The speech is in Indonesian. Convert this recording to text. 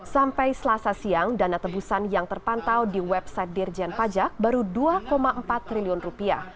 sampai selasa siang dana tebusan yang terpantau di website dirjen pajak baru dua empat triliun rupiah